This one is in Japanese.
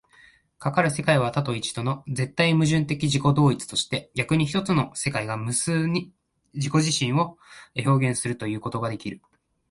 かかる世界は多と一との絶対矛盾的自己同一として、逆に一つの世界が無数に自己自身を表現するということができる。